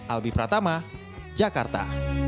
albi pratama jakarta